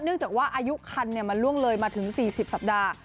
จากว่าอายุคันมันล่วงเลยมาถึง๔๐สัปดาห์